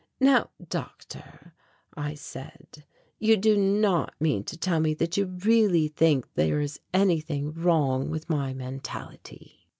"Now, doctor," I said, "you do not mean to tell me that you really think there is anything wrong with my mentality?"